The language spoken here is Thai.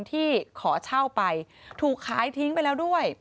ที่ขอเช่าไปถูกขายทิ้งไปแล้วด้วย